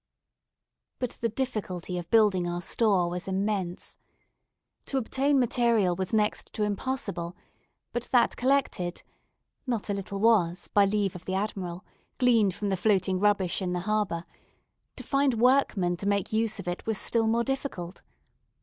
But the difficulty of building our store was immense. To obtain material was next to impossible; but that collected (not a little was, by leave of the Admiral, gleaned from the floating rubbish in the harbour), to find workmen to make use of it was still more difficult.